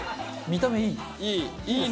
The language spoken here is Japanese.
見た目いい！いい！